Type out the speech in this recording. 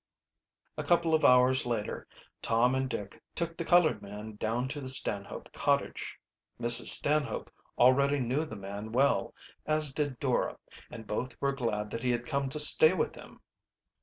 A couple of hours later Tom and Dick took the colored man down to the Stanhope cottage. Mrs. Stanhope already knew the man well, as did Dora, and both were glad that he had come to stay with them.